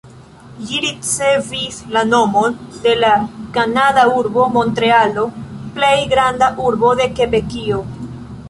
Ĝi ricevis la nomon de la kanada urbo Montrealo, plej granda urbo de Kebekio.